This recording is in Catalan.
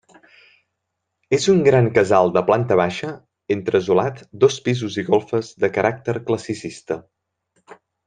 És un gran casal de planta baixa, entresolat, dos pisos i golfes, de caràcter classicista.